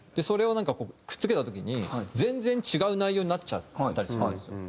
それをなんかこうくっつけた時に全然違う内容になっちゃったりするんですよ。